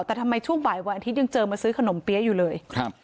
แต่ทำไมช่วงบ่ายวันอาทิตย์ยังเจอมาซื้อขนมเปี๊ยะอยู่เลยครับ